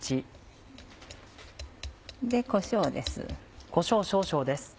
こしょうです。